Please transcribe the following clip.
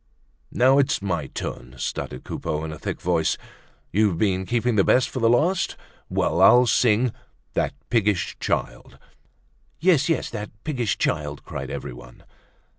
"Now, it's my turn," stuttered Coupeau, in a thick voice. "You've been keeping the best for the last. Well! I'll sing you 'That Piggish Child.'" "Yes, yes, 'That Piggish Child,'" cried everyone.